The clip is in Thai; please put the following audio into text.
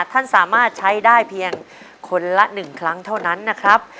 ท่านสามารถใช้ได้เพียงคนละ๑ครั้งเท่านั้นนะครับ